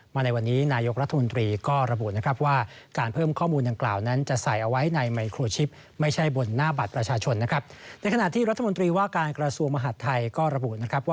มาในวันนี้นายกรัฐมนตรีก็ระบุนะครับว่าการเพิ่มข้อมูลอย่างกล่าวนั้นจะใส่เอาไว้ในไมโครชิปไม่ใช่บนหน้าบัตรประชาชนนะครับ